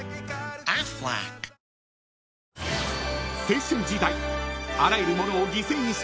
［青春時代］